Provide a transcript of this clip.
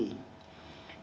bnl bertugas mencari kontraktor